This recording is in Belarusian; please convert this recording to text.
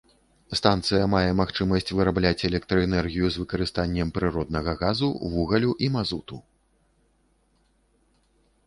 Станцыя мае магчымасць вырабляць электраэнергію з выкарыстаннем прыроднага газу, вугалю і мазуту.